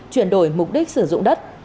chuyển đổi mục đích sử dụng đất